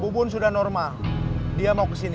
bubun sudah normal dia mau ke sini